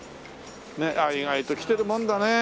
意外と来てるもんだねえ。